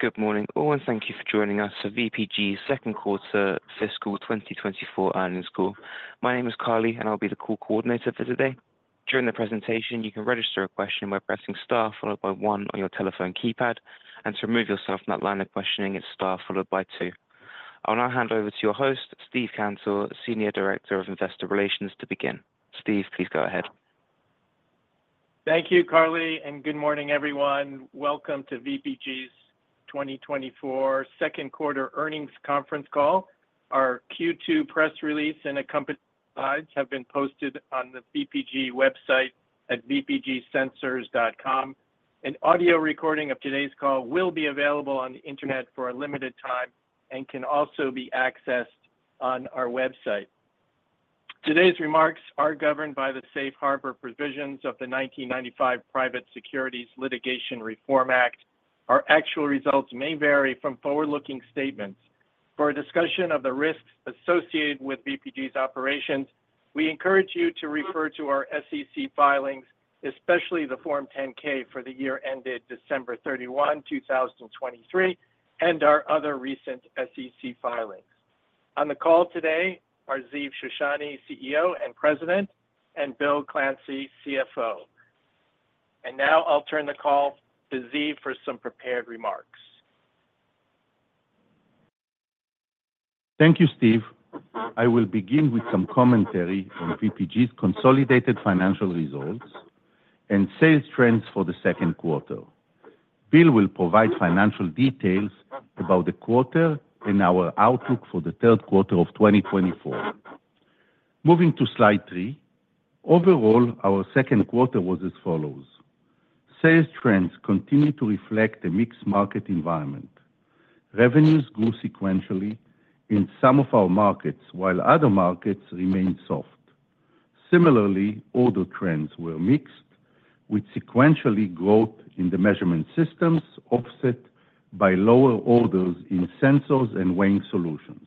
Good morning, all, and thank you for joining us for VPG's Second Quarter Fiscal 2024 Earnings Call. My name is Carly, and I'll be the call coordinator for today. During the presentation, you can register a question by pressing star followed by one on your telephone keypad, and to remove yourself from that line of questioning, it's star followed by two. I'll now hand over to your host, Steve Cantor, Senior Director of Investor Relations, to begin. Steve, please go ahead. Thank you, Carly, and good morning, everyone. Welcome to VPG's 2024 Second Quarter Earnings Conference Call. Our Q2 press release and accompanying slides have been posted on the VPG website at vpgsensors.com. An audio recording of today's call will be available on the internet for a limited time and can also be accessed on our website. Today's remarks are governed by the safe harbor provisions of the 1995 Private Securities Litigation Reform Act. Our actual results may vary from forward-looking statements. For a discussion of the risks associated with VPG's operations, we encourage you to refer to our SEC filings, especially the Form 10-K for the year ended December 31, 2023, and our other recent SEC filings. On the call today are Ziv Shoshani, CEO and President, and Bill Clancy, CFO. Now I'll turn the call to Ziv for some prepared remarks. Thank you, Steve. I will begin with some commentary on VPG's consolidated financial results and sales trends for the second quarter. Bill will provide financial details about the quarter and our outlook for the third quarter of 2024. Moving to slide three. Overall, our second quarter was as follows: Sales trends continue to reflect a mixed market environment. Revenues grew sequentially in some of our markets, while other markets remained soft. Similarly, order trends were mixed, with sequential growth in the measurement systems offset by lower orders in sensors and weighing solutions.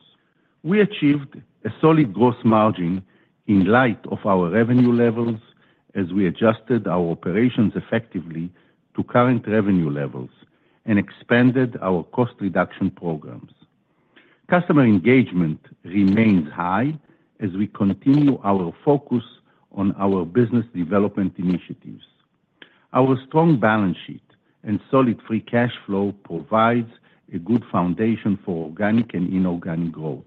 We achieved a solid gross margin in light of our revenue levels as we adjusted our operations effectively to current revenue levels and expanded our cost reduction programs. Customer engagement remains high as we continue our focus on our business development initiatives. Our strong balance sheet and solid free cash flow provides a good foundation for organic and inorganic growth.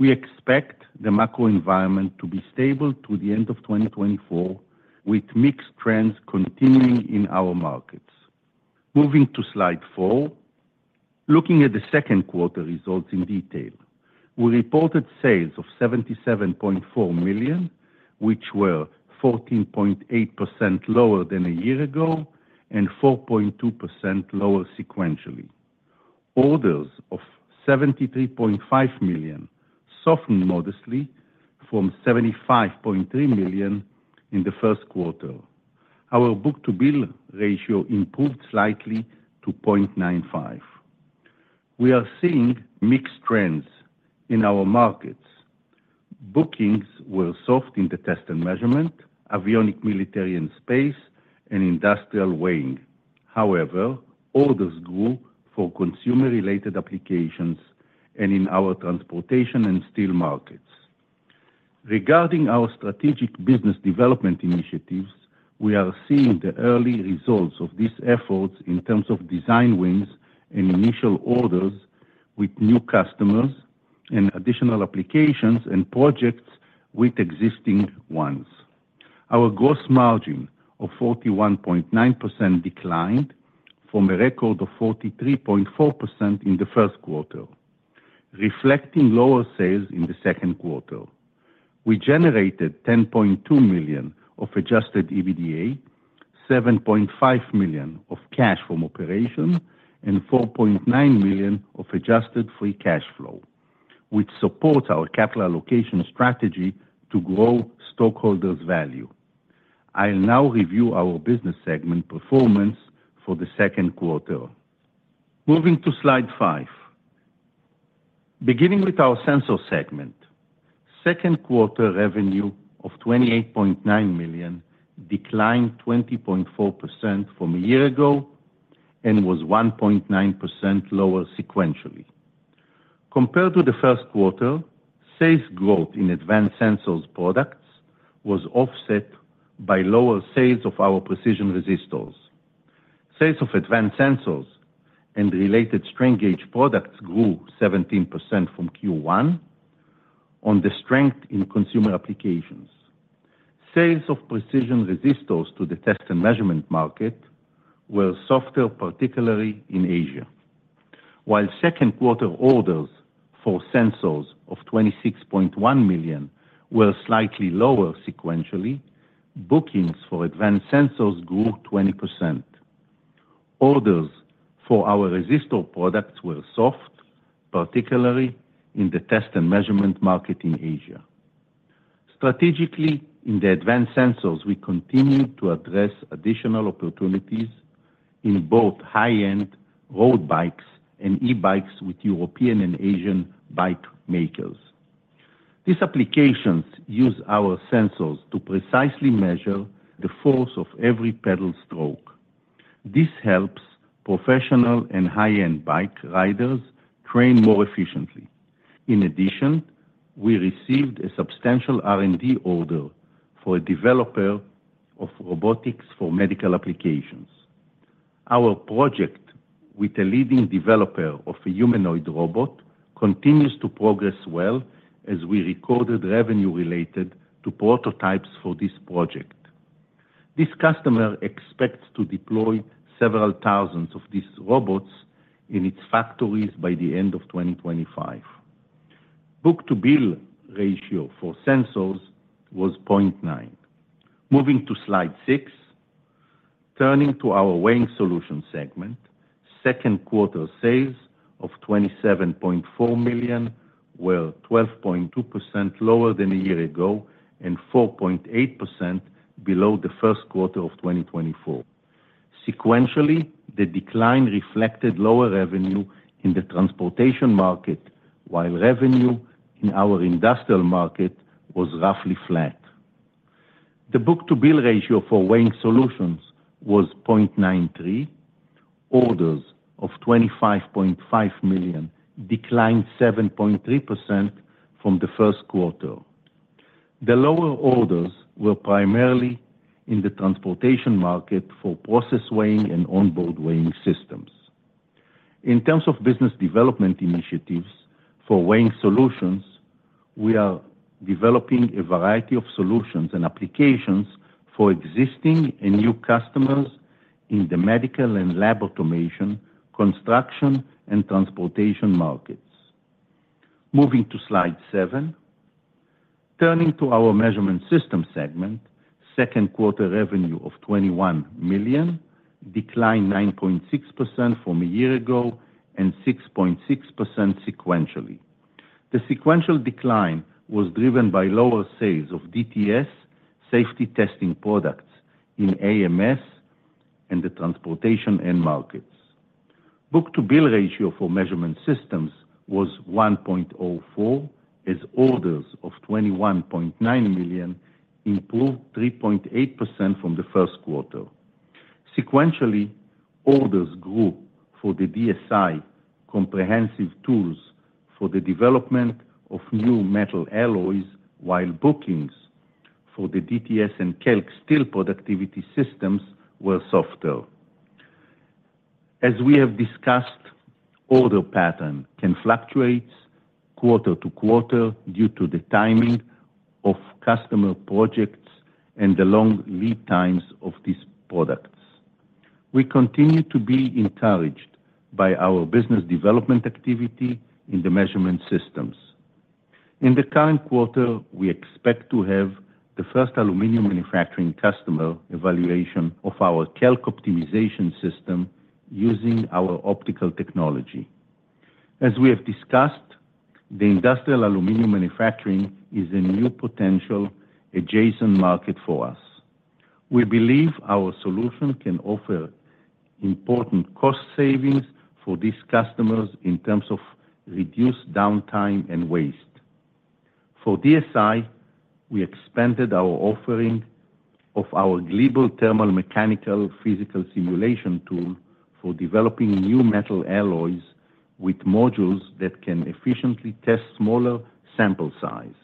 We expect the macro environment to be stable through the end of 2024, with mixed trends continuing in our markets. Moving to slide four. Looking at the second quarter results in detail. We reported sales of $77.4 million, which were 14.8% lower than a year ago and 4.2% lower sequentially. Orders of $73.5 million softened modestly from $75.3 million in the first quarter. Our book-to-bill ratio improved slightly to 0.95. We are seeing mixed trends in our markets. Bookings were soft in the test and measurement, avionics, military, and space, and industrial weighing. However, orders grew for consumer-related applications and in our transportation and steel markets. Regarding our strategic business development initiatives, we are seeing the early results of these efforts in terms of design wins and initial orders with new customers and additional applications and projects with existing ones. Our gross margin of 41.9% declined from a record of 43.4% in the first quarter, reflecting lower sales in the second quarter. We generated $10.2 million of adjusted EBITDA, $7.5 million of cash from operations, and $4.9 million of adjusted free cash flow, which supports our capital allocation strategy to grow stockholders' value. I'll now review our business segment performance for the second quarter. Moving to slide five. Beginning with our sensor segment, second quarter revenue of $28.9 million declined 20.4% from a year ago and was 1.9% lower sequentially. Compared to the first quarter, sales growth in Advanced Sensors products was offset by lower sales of our Precision Resistors. Sales of Advanced Sensors and related strain gage products grew 17% from Q1 on the strength in consumer applications. Sales of Precision Resistors to the test and measurement market were softer, particularly in Asia. While second quarter orders for sensors of $26.1 million were slightly lower sequentially, bookings for Advanced Sensors grew 20%. Orders for our resistor products were soft, particularly in the test and measurement market in Asia. Strategically, in the Advanced Sensors, we continued to address additional opportunities in both high-end road bikes and e-bikes with European and Asian bike makers.... These applications use our sensors to precisely measure the force of every pedal stroke. This helps professional and high-end bike riders train more efficiently. In addition, we received a substantial R&D order for a developer of robotics for medical applications. Our project with a leading developer of a humanoid robot continues to progress well, as we recorded revenue related to prototypes for this project. This customer expects to deploy several thousands of these robots in its factories by the end of 2025. Book-to-bill ratio for sensors was 0.9. Moving to slide six. Turning to our Weighing Solutions segment, second quarter sales of $27.4 million were 12.2% lower than a year ago and 4.8% below the first quarter of 2024. Sequentially, the decline reflected lower revenue in the transportation market, while revenue in our industrial market was roughly flat. The book-to-bill ratio for Weighing Solutions was 0.93. Orders of $25.5 million declined 7.3% from the first quarter. The lower orders were primarily in the transportation market for process weighing and onboard weighing systems. In terms of business development initiatives for Weighing Solutions, we are developing a variety of solutions and applications for existing and new customers in the medical and lab automation, construction, and transportation markets. Moving to slide seven. Turning to our Measurement Systems segment, second quarter revenue of $21 million declined 9.6% from a year ago and 6.6% sequentially. The sequential decline was driven by lower sales of DTS safety testing products in AMS and the transportation end markets. Book-to-bill ratio for Measurement Systems was 1.04, as orders of $21.9 million improved 3.8% from the first quarter. Sequentially, orders grew for the DSI comprehensive tools for the development of new metal alloys, while bookings for the DTS and KELK steel productivity systems were softer. As we have discussed, order pattern can fluctuate quarter to quarter due to the timing of customer projects and the long lead times of these products. We continue to be encouraged by our business development activity in the measurement systems. In the current quarter, we expect to have the first aluminum manufacturing customer evaluation of our KELK optimization system using our optical technology. As we have discussed, the industrial aluminum manufacturing is a new potential adjacent market for us. We believe our solution can offer important cost savings for these customers in terms of reduced downtime and waste. For DSI, we expanded our offering of our Gleeble thermal-mechanical physical simulation tool for developing new metal alloys with modules that can efficiently test smaller sample size.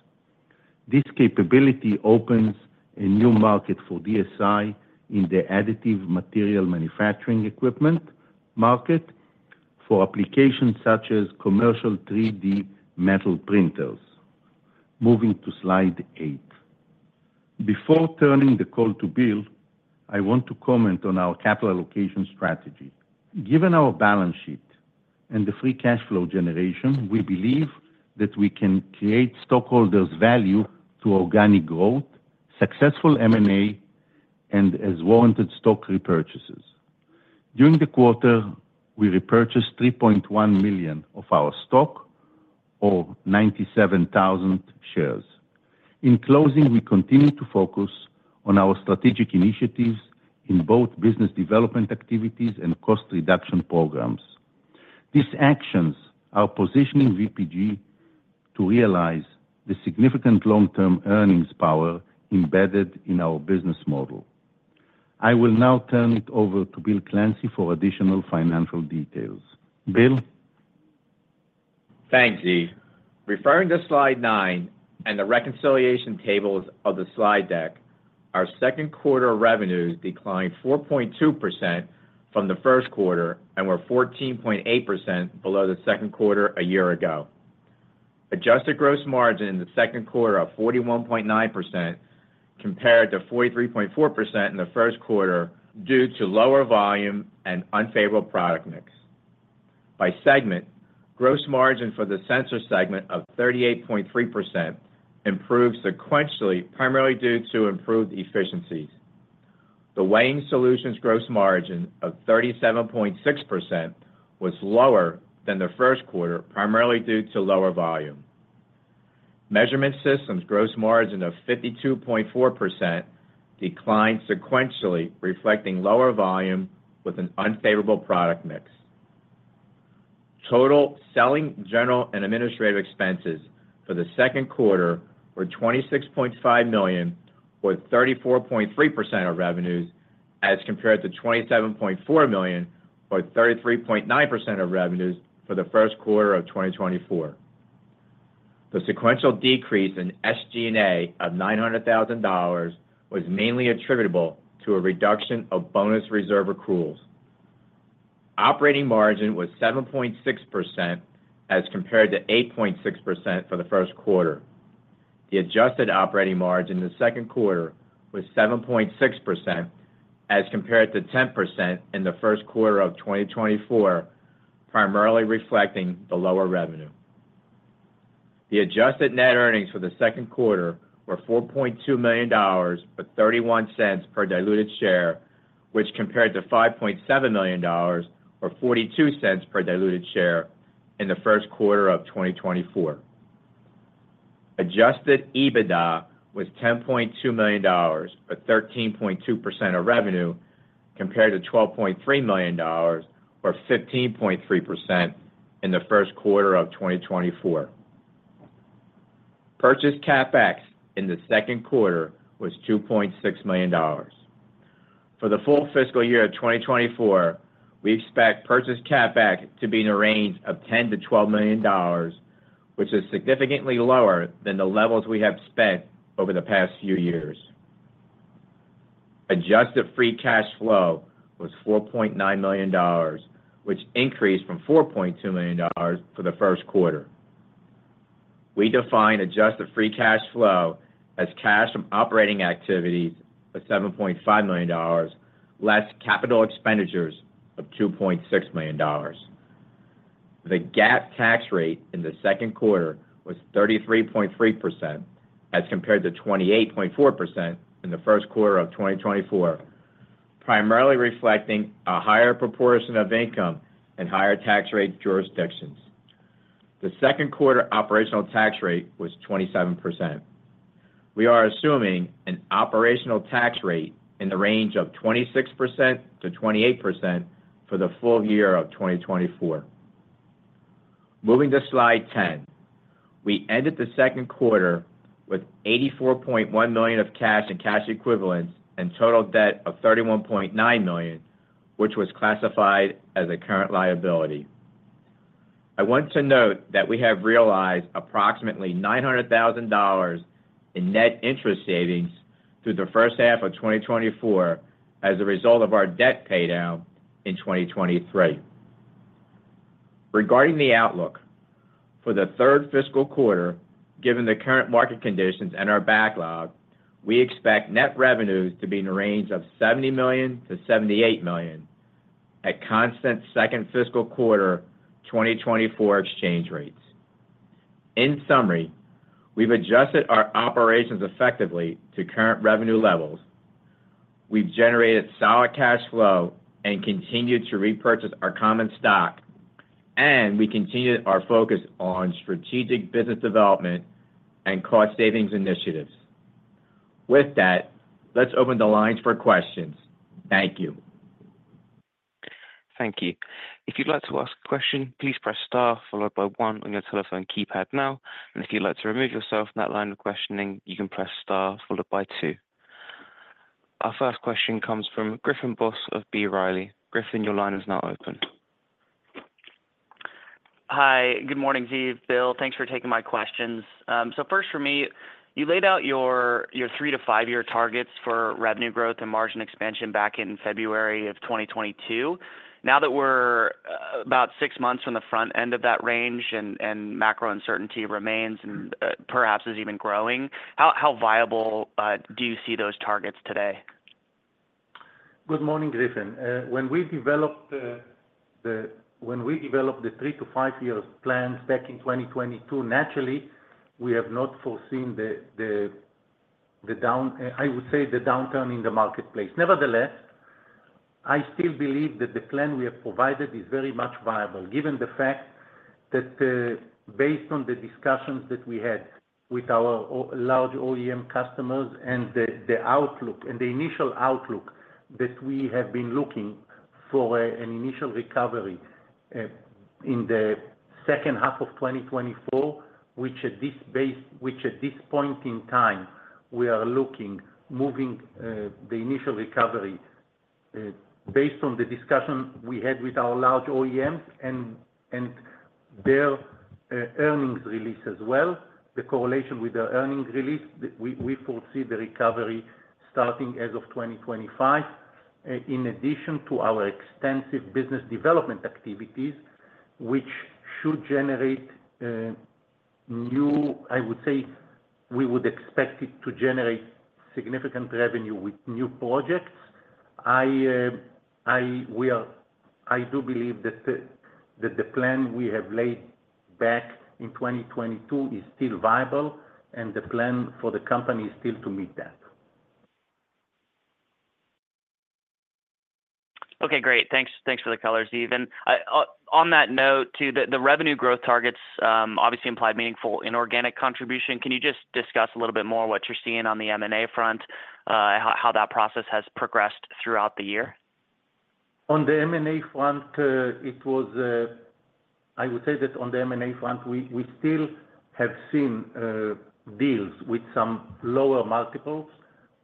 This capability opens a new market for DSI in the additive material manufacturing equipment market for applications such as commercial 3D metal printers. Moving to slide eight. Before turning the call to Bill, I want to comment on our capital allocation strategy. Given our balance sheet and the free cash flow generation, we believe that we can create stockholders' value through organic growth, successful M&A, and as warranted, stock repurchases. During the quarter, we repurchased $3.1 million of our stock, or 97,000 shares. In closing, we continue to focus on our strategic initiatives in both business development activities and cost reduction programs. These actions are positioning VPG to realize the significant long-term earnings power embedded in our business model. I will now turn it over to Bill Clancy for additional financial details. Bill? Thanks, Ziv. Referring to slide nine and the reconciliation tables of the slide deck, our second quarter revenues declined 4.2% from the first quarter and were 14.8% below the second quarter a year ago. Adjusted gross margin in the second quarter of 41.9% compared to 43.4% in the first quarter, due to lower volume and unfavorable product mix. By segment, gross margin for the sensor segment of 38.3% improved sequentially, primarily due to improved efficiencies. The Weighing Solutions gross margin of 37.6% was lower than the first quarter, primarily due to lower volume. Measurement Systems gross margin of 52.4% declined sequentially, reflecting lower volume with an unfavorable product mix. Total selling, general, and administrative expenses for the second quarter were $26.5 million, or 34.3% of revenues, as compared to $27.4 million, or 33.9% of revenues for the first quarter of 2024. The sequential decrease in SG&A of $900,000 was mainly attributable to a reduction of bonus reserve accruals. Operating margin was 7.6% as compared to 8.6% for the first quarter. The adjusted operating margin in the second quarter was 7.6% as compared to 10% in the first quarter of 2024, primarily reflecting the lower revenue. The adjusted net earnings for the second quarter were $4.2 million, or $0.31 per diluted share, which compared to $5.7 million, or $0.42 per diluted share in the first quarter of 2024. Adjusted EBITDA was $10.2 million, or 13.2% of revenue, compared to $12.3 million, or 15.3% in the first quarter of 2024. Purchase CapEx in the second quarter was $2.6 million. For the full fiscal year of 2024, we expect purchase CapEx to be in a range of $10-$12 million, which is significantly lower than the levels we have spent over the past few years. Adjusted Free Cash Flow was $4.9 million, which increased from $4.2 million for the first quarter. We define adjusted free cash flow as cash from operating activities of $7.5 million, less capital expenditures of $2.6 million. The GAAP tax rate in the second quarter was 33.3%, as compared to 28.4% in the first quarter of 2024, primarily reflecting a higher proportion of income and higher tax rate jurisdictions. The second quarter operational tax rate was 27%. We are assuming an operational tax rate in the range of 26%-28% for the full year of 2024. Moving to slide 10. We ended the second quarter with $84.1 million of cash and cash equivalents, and total debt of $31.9 million, which was classified as a current liability. I want to note that we have realized approximately $900,000 in net interest savings through the first half of 2024 as a result of our debt paydown in 2023. Regarding the outlook, for the third fiscal quarter, given the current market conditions and our backlog, we expect net revenues to be in a range of $70-$78 million at constant second fiscal quarter 2024 exchange rates. In summary, we've adjusted our operations effectively to current revenue levels. We've generated solid cash flow and continued to repurchase our common stock, and we continue our focus on strategic business development and cost savings initiatives. With that, let's open the lines for questions. Thank you. Thank you. If you'd like to ask a question, please press star, followed by one on your telephone keypad now, and if you'd like to remove yourself from that line of questioning, you can press star followed by two. Our first question comes from Griffin Boss of B. Riley. Griffin, your line is now open. Hi, good morning, Ziv, Bill. Thanks for taking my questions. So first for me, you laid out your, your three- to five-year targets for revenue growth and margin expansion back in February of 2022. Now that we're about six months from the front end of that range and, and macro uncertainty remains and, perhaps is even growing, how, how viable do you see those targets today? Good morning, Griffin. When we developed the 3-5 year plans back in 2022, naturally, we have not foreseen the downturn in the marketplace, I would say. Nevertheless, I still believe that the plan we have provided is very much viable, given the fact that, based on the discussions that we had with our large OEM customers and the, the outlook, and the initial outlook that we have been looking for, an initial recovery, in the second half of 2024, which at this point in time, we are looking, moving, the initial recovery, based on the discussion we had with our large OEMs and, and their, earnings release as well, the correlation with their earnings release, we, we foresee the recovery starting as of 2025, in addition to our extensive business development activities, which should generate, new. I would say, we would expect it to generate significant revenue with new projects. I do believe that the plan we have laid back in 2022 is still viable, and the plan for the company is still to meet that. Okay, great. Thanks, thanks for the colors, Ziv. And on that note, too, the revenue growth targets obviously implied meaningful inorganic contribution. Can you just discuss a little bit more what you're seeing on the M&A front, how that process has progressed throughout the year? On the M&A front, it was, I would say that on the M&A front, we, we still have seen deals with some lower multiples.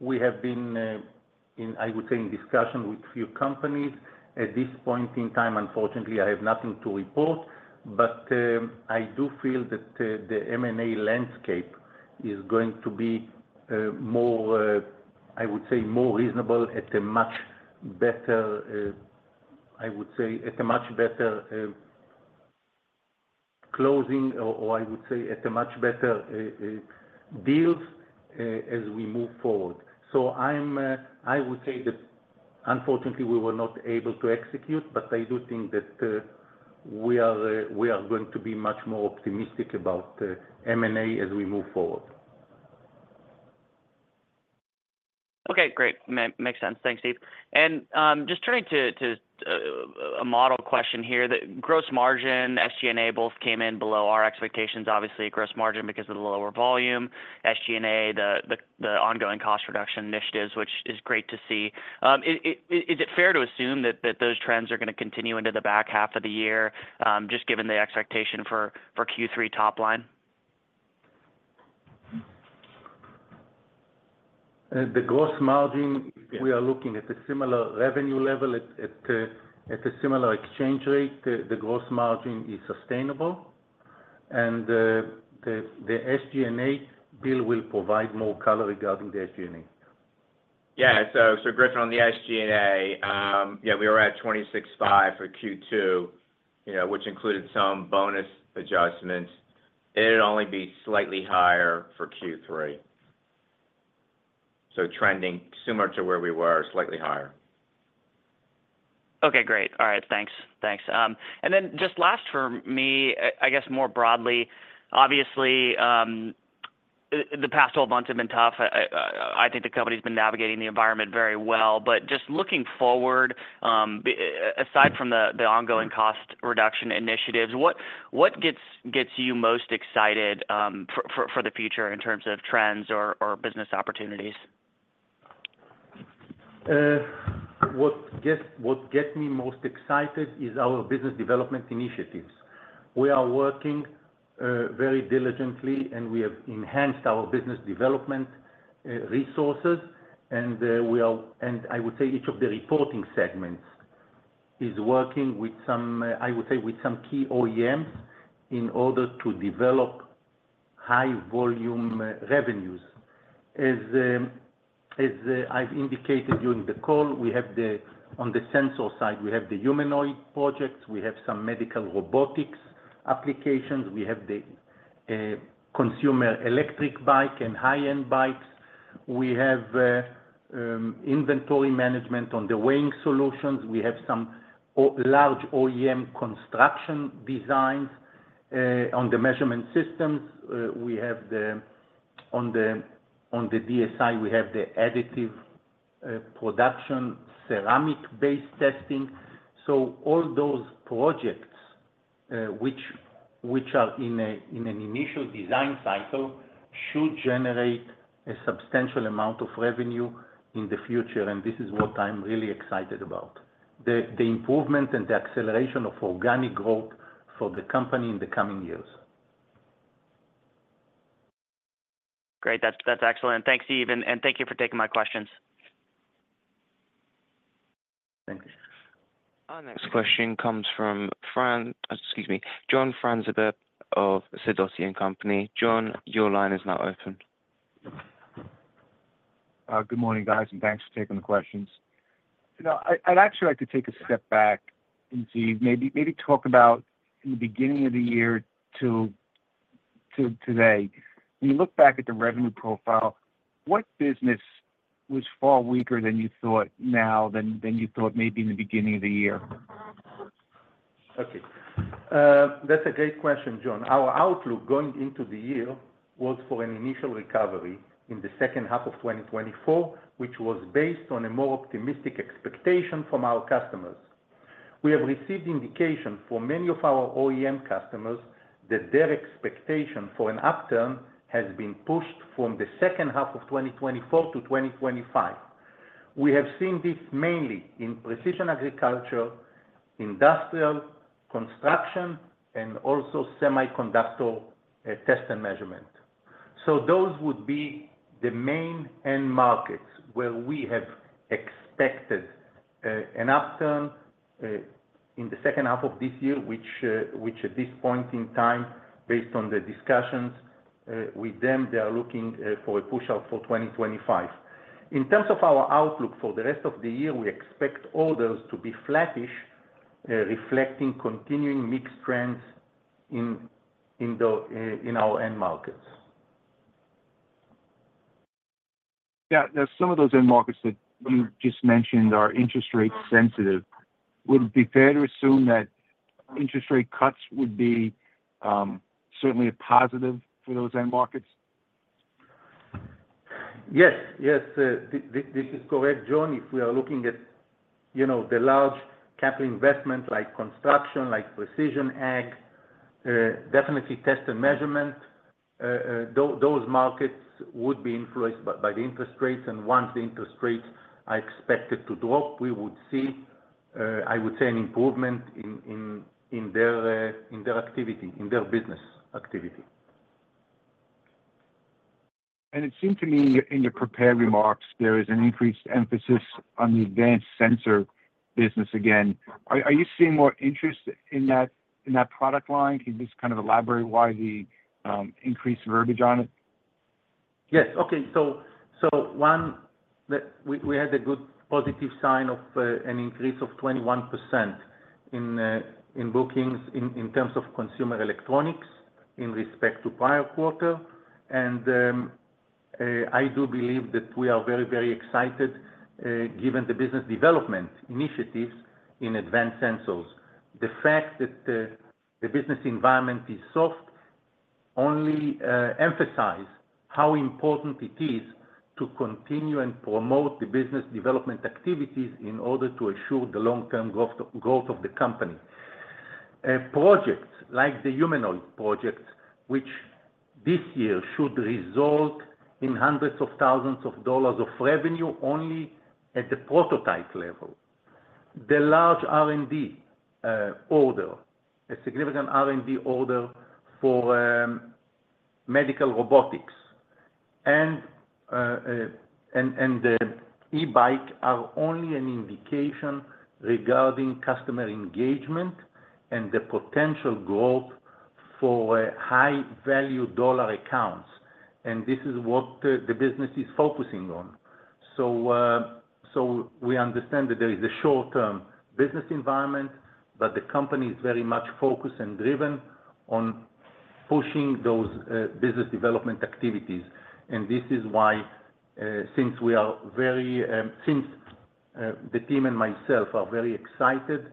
We have been in, I would say, in discussion with few companies. At this point in time, unfortunately, I have nothing to report, but I do feel that the M&A landscape is going to be more, I would say, more reasonable at a much better, I would say, at a much better closing, or, or I would say, at a much better deals as we move forward. So I'm, I would say that unfortunately, we were not able to execute, but I do think that we are, we are going to be much more optimistic about M&A as we move forward. Okay, great. Makes sense. Thanks, Steve. And just turning to a model question here. The gross margin, SG&A, both came in below our expectations, obviously, gross margin, because of the lower volume. SG&A, the ongoing cost reduction initiatives, which is great to see. Is it fair to assume that those trends are gonna continue into the back half of the year, just given the expectation for Q3 top line? The gross margin, we are looking at a similar revenue level at a similar exchange rate. The gross margin is sustainable, and the SG&A, Bill will provide more color regarding the SG&A. Yeah, so Griffin, on the SG&A, yeah, we were at $26.5 million for Q2, you know, which included some bonus adjustments. It'd only be slightly higher for Q3. So trending similar to where we were, slightly higher. Okay, great. All right, thanks. Thanks. And then just last for me, I guess more broadly, obviously, the past 12 months have been tough. I think the company's been navigating the environment very well. But just looking forward, but aside from the ongoing cost reduction initiatives, what gets you most excited, for the future in terms of trends or business opportunities? What gets me most excited is our business development initiatives. We are working very diligently, and we have enhanced our business development resources, and I would say each of the reporting segments is working with some, I would say, with some key OEMs in order to develop high volume revenues. As I've indicated during the call, we have the... On the sensor side, we have the humanoid projects, we have some medical robotics applications, we have the consumer electric bike and high-end bikes. We have inventory management on the weighing solutions. We have some large OEM construction designs on the measurement systems. On the DSI, we have the additive production, ceramic-based testing. So all those projects, which are in an initial design cycle, should generate a substantial amount of revenue in the future, and this is what I'm really excited about. The improvement and the acceleration of organic growth for the company in the coming years. Great. That's, that's excellent. Thanks, Steve, and, and thank you for taking my questions. Thank you. Our next question comes from Fran, excuse me, John Franzreb of Sidoti & Company. John, your line is now open. Good morning, guys, and thanks for taking the questions. You know, I'd actually like to take a step back and see, maybe talk about the beginning of the year to today. When you look back at the revenue profile, what business was far weaker than you thought now than you thought maybe in the beginning of the year? Okay, that's a great question, John. Our outlook going into the year was for an initial recovery in the second half of 2024, which was based on a more optimistic expectation from our customers. We have received indication from many of our OEM customers that their expectation for an upturn has been pushed from the second half of 2024-2025. We have seen this mainly in precision agriculture, industrial, construction, and also semiconductor, test and measurement. So those would be the main end markets where we have expected an upturn in the second half of this year, which at this point in time, based on the discussions with them, they are looking for a push out for 2025. In terms of our outlook for the rest of the year, we expect orders to be flattish, reflecting continuing mixed trends in our end markets. Yeah, now some of those end markets that you just mentioned are interest rate sensitive. Would it be fair to assume that interest rate cuts would be certainly a positive for those end markets? Yes. Yes, this is correct, John. If we are looking at, you know, the large capital investment, like construction, definitely test and measurement. Those markets would be influenced by the interest rates, and once the interest rates are expected to drop, we would see, I would say, an improvement in their activity, in their business activity. It seemed to me, in your prepared remarks, there is an increased emphasis on the Advanced Sensors business again. Are, are you seeing more interest in that, in that product line? Can you just kind of elaborate why the increased verbiage on it? Yes. Okay. So one, we had a good positive sign of an increase of 21% in bookings, in terms of consumer electronics in respect to prior quarter. And I do believe that we are very, very excited, given the business development initiatives in Advanced Sensors. The fact that the business environment is soft only emphasize how important it is to continue and promote the business development activities in order to ensure the long-term growth, growth of the company. Projects like the humanoid projects, which this year should result in $hundreds of thousands of revenue only at the prototype level. The large R&D order, a significant R&D order for medical robotics, and the e-bike are only an indication regarding customer engagement and the potential growth for high-value dollar accounts, and this is what the business is focusing on. So we understand that there is a short-term business environment, but the company is very much focused and driven on pushing those business development activities. And this is why the team and myself are very excited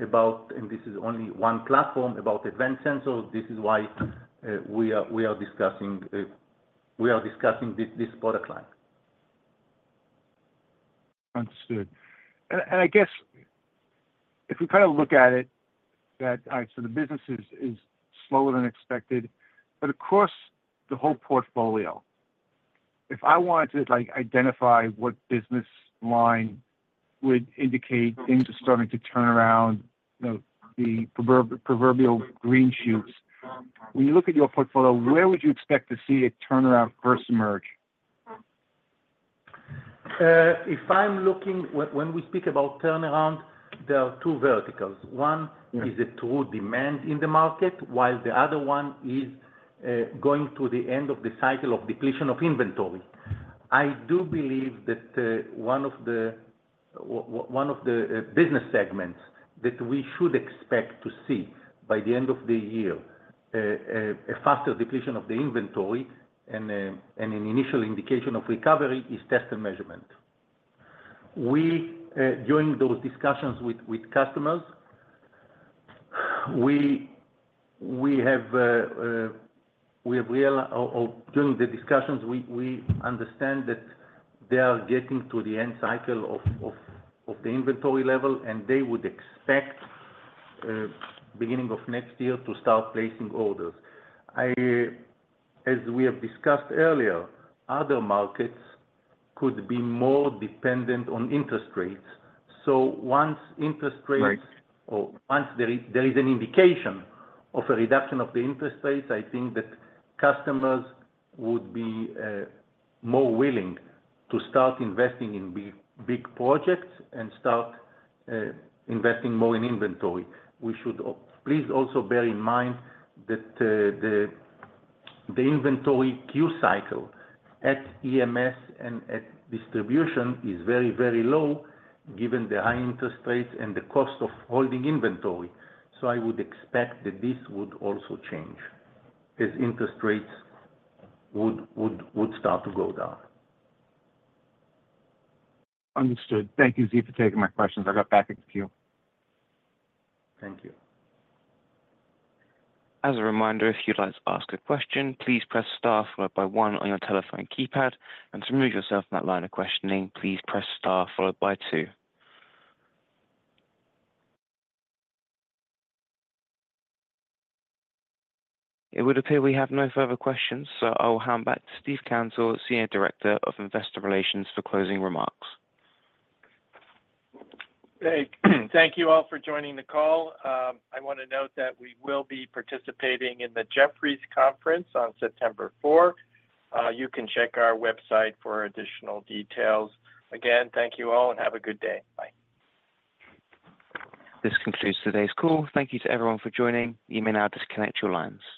about, and this is only one platform, about Advanced Sensors. This is why we are discussing this product line. Understood. And I guess if we kind of look at it, that so the business is slower than expected, but across the whole portfolio, if I wanted to, like, identify what business line would indicate things are starting to turn around, you know, the proverbial green shoots. When you look at your portfolio, where would you expect to see a turnaround first emerge? If I'm looking, when we speak about turnaround, there are two verticals. One is the true demand in the market, while the other one is going to the end of the cycle of depletion of inventory. I do believe that one of the business segments that we should expect to see by the end of the year, a faster depletion of the inventory and an initial indication of recovery is test and measurement. During those discussions with customers, we understand that they are getting to the end of the cycle of the inventory level, and they would expect beginning of next year to start placing orders. As we have discussed earlier, other markets could be more dependent on interest rates. So once interest rates. Right. Or once there is an indication of a reduction of the interest rates, I think that customers would be more willing to start investing in big, big projects and start investing more in inventory. We should please also bear in mind that the inventory Q cycle at EMS and at distribution is very, very low, given the high interest rates and the cost of holding inventory. So I would expect that this would also change as interest rates would start to go down. Understood. Thank you, Ziv, for taking my questions. I got back a few. Thank you. As a reminder, if you'd like to ask a question, please press star followed by one on your telephone keypad, and to remove yourself from that line of questioning, please press star followed by two. It would appear we have no further questions, so I'll hand back to Steve Cantor, Senior Director of Investor Relations, for closing remarks. Hey, thank you all for joining the call. I want to note that we will be participating in the Jefferies Conference on September fourth. You can check our website for additional details. Again, thank you all, and have a good day. Bye. This concludes today's call. Thank you to everyone for joining. You may now disconnect your lines.